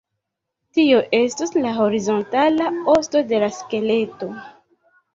Tio estos la horizontala "osto" de la skeleto.